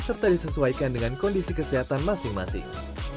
serta disesuaikan dengan kondisi kesehatan masing masing